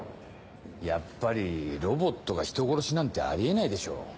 やっぱりロボットが人殺しなんてあり得ないでしょ。